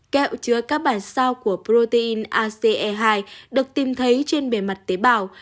kẹo chứa các bản sao của protein ace hai được tìm thấy trên bề mặt tế bào